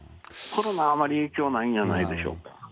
コロナはあまり影響はないんじゃないでしょうか。